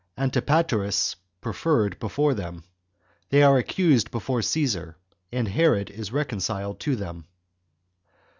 Antipateris Preferred Before Them. They Are Accused Before Caesar, And Herod Is Reconciled To Them.